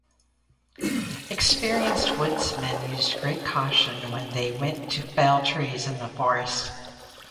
Experienced woodmen used great caution when they went to fell trees in the forest.